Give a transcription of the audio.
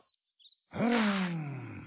うん。